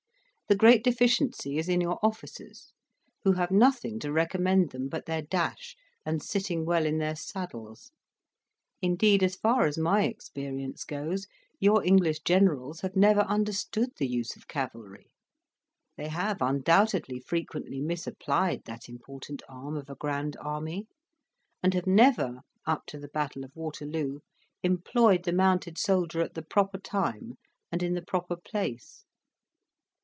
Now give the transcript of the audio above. The great deficiency is in your officers, who have nothing to recommend them but their dash and sitting well in their saddles; indeed, as far as my experience goes, your English generals have never understood the use of cavalry: they have undoubtedly frequently misapplied that important arm of a grand army, and have never, up to the battle of Waterloo, employed the mounted soldier at the proper time and in the proper place.